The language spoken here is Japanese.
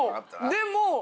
でも！